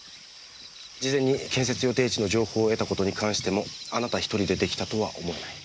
事前に建設予定地の情報を得たことに関してもあなた１人で出来たとは思えない。